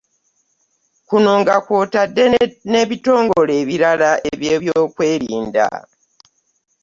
Kuno nga kw'otadde n'ebitongole ebirala eby'ebyokwerinda